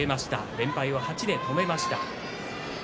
連敗を８で止めました。